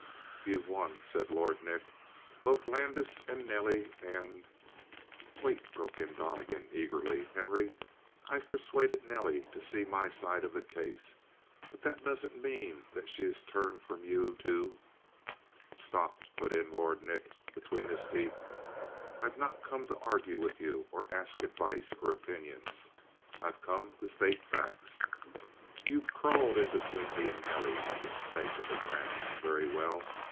"You've won," said Lord Nick, "both Landis and Nelly. And " "Wait," broke in Donnegan eagerly. "Henry, I've persuaded Nelly to see my side of the case, but that doesn't mean that she has turned from you to " "Stop!" put in Lord Nick, between his teeth. "I've not come to argue with you or ask advice or opinions. I've come to state facts. You've crawled in between me and Nelly like a snake in the grass. Very well.